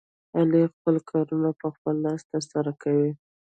علي خپل کارونه په خپل لاس ترسره کوي.